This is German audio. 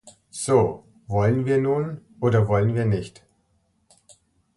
So, wollen wir nun, oder wollen wir nicht?